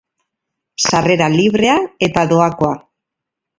Sarrera librea eta doakoa.